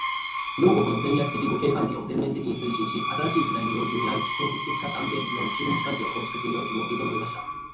「両国の戦略的互恵関係を全面的に推進し、新しい時代の要求に合う建設的かつ安定的な中日関係を構築するよう希望する」と述べました。